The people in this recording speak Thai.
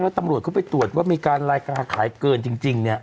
แล้วตำรวจเขาไปตรวจว่ามีการราคาขายเกินจริงเนี่ย